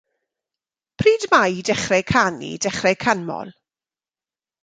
Pryd mae Dechrau Canu Dechrau Canmol?